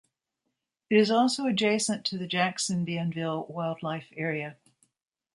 It is also adjacent to the Jackson Bienville Wildlife Area.